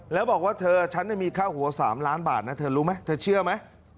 แล้วบอกว่าเธอฉันมีค่าหัว๓ล้านบาทนะเธอรู้ไหมเธอเชื่อไหม